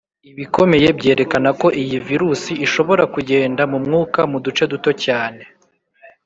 ibikomeye byerekana ko iyi virus ishobora kugenda mu mwuka mu duce duto cyane